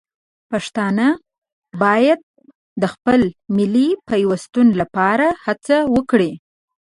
پښتانه باید د خپل ملي پیوستون لپاره هڅه وکړي.